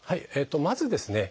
まずですね